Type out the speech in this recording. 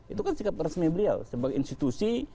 itu kan sikap resmi beliau sebagai institusi